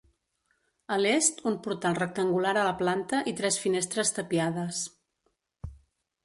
A l'est un portal rectangular a la planta i tres finestres tapiades.